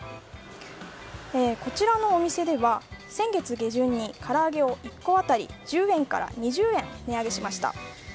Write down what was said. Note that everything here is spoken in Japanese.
こちらのお店では、先月下旬から揚げを１個当たり１０円から２０円値上げしました。